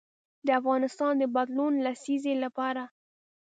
د افغانستان د بدلون لسیزې لپاره.